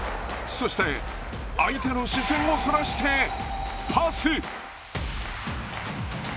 そして相手の視線をそらしてパス。